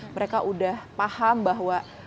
mereka udah paham bahwa